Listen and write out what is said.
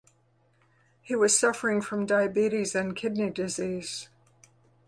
He was suffering from diabetes and kidney disease.